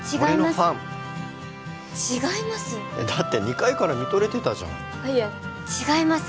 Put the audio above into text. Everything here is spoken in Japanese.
俺のファン違いますだって２階から見とれてたじゃんあっいや違います